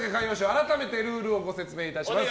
改めて、ルールをご説明します。